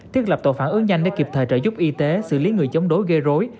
thiết lập tổ phản ứng nhanh để kịp thời trợ giúp y tế xử lý người chống đối gây rối